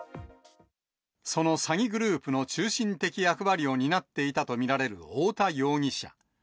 その詐欺グループの中心的役割を担っていたと見られる太田容疑者。